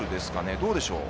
どうでしょうか。